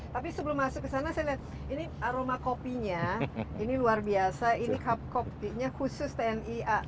tapi sebelum masuk ke sana saya lihat ini aroma kopinya ini luar biasa ini cup kopinya khusus tni a